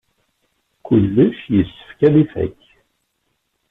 Kullec yessefk ad ifak.